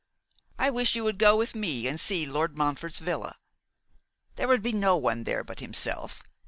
I wish you would go with me and see Lord Montfort's villa. There would be no one there but himself.